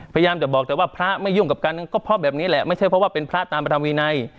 พยายามจะบอกแต่ว่าพระไม่ยุ่งกับกันก็เพราะแบบนี้แหละไม่ใช่เพราะว่าเป็นพระตามพระธรรมวินัย